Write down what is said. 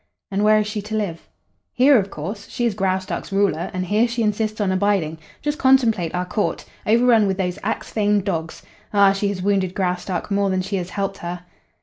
"And where is she to live?" "Here, of course. She is Graustark's ruler, and here she insists on abiding. Just contemplate our court! Over run with those Axphain dogs! Ah, she has wounded Graustark more than she has helped her."